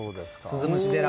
鈴虫寺。